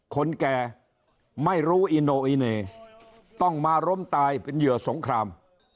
คนแก่ไม่รู้อิโนอิเน่ต้องมาล้มตายเป็นเหยื่อสงคราม